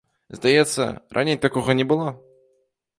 Здаецца, раней такога не было?